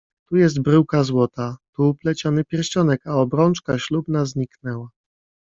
"Tu jest bryłka złota, tu pleciony pierścionek, ale obrączka ślubna zniknęła."